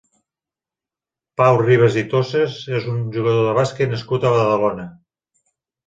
Pau Ribas i Tossas és un jugador de bàsquet nascut a Badalona.